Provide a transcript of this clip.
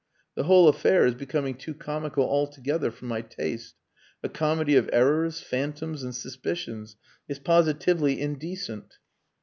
The whole affair is becoming too comical altogether for my taste. A comedy of errors, phantoms, and suspicions. It's positively indecent...."